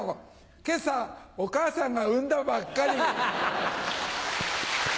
今朝お母さんが産んだばっかり。